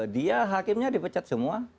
dia hakimnya dipecat semua